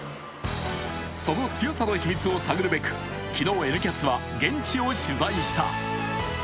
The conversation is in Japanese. その強さの秘密を探るべく昨日「Ｎキャス」は現地を取材した。